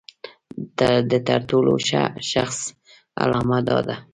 د تر ټولو ښه شخص علامه دا ده.